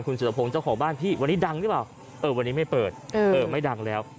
สุรพงศ์เจ้าของบ้านพี่วันนี้ดังหรือเปล่าเออวันนี้ไม่เปิดเออไม่ดังแล้ว